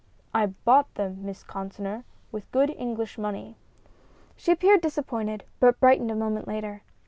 "I bought them, Miss Consinor, with good English money." She appeared disappointed, but brightened a moment later.